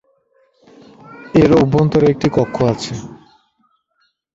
এর অভ্যন্তরে একটি কক্ষ আছে।